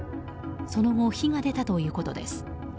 その後、火が出たということです。